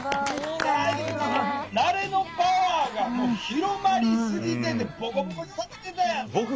「慣れのパワー」が広まりすぎててボコボコにされてたやん。